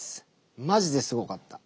マジですごかった。